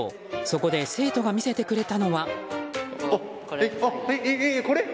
そこで生徒が見せてくれたのは。